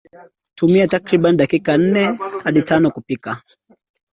Tumia takriban dakika nnetanokupika